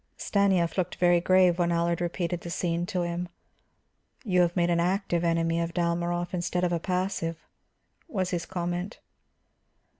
Stanief looked very grave when Allard repeated the scene to him. "You have made an active enemy of Dalmorov instead of a passive," was his comment.